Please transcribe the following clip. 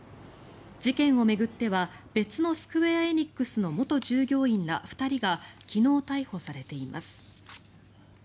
事件を巡っては別のスクウェア・エニックスの元従業員ら２人が昨日逮捕されています。